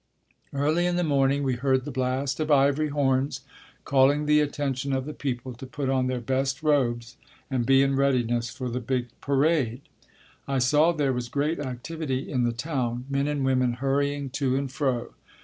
Early in the morning we heard the blast of ivory horns calling the attention of the people to put on their best robes and be in readiness for the big parade. I saw there was great activity in the town, men and women hurrying to and fro.